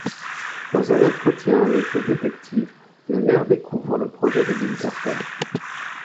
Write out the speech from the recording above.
Dans un entretien avec le détective, le maire découvre le projet de Bill Carter.